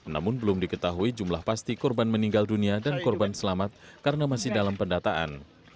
namun belum diketahui jumlah pasti korban meninggal dunia dan korban selamat karena masih dalam pendataan